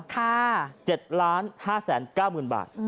ค่ะ๗๕๙๐๐๐๐บาท